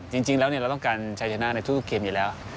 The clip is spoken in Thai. จริงแล้วเราต้องการชายชนะในทุกเกมอยู่แล้ว